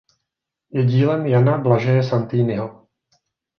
Je dílem Jana Blažeje Santiniho.